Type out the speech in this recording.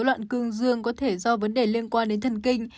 loạn cương dương có thể do vấn đề liên quan đến thần kinh